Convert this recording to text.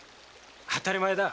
当たり前だ。